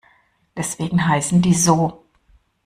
Deswegen heißen die so.